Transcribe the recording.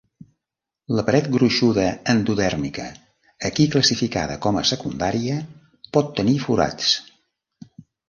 La paret gruixuda endodèrmica, aquí classificada com a secundària, pot tenir forats.